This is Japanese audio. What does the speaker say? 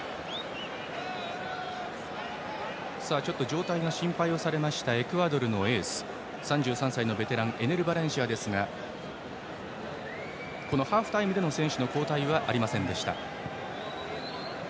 状態が心配されましたエクアドルのエース３３歳のベテランエネル・バレンシアですがハーフタイムでの選手の交代はありませんでした。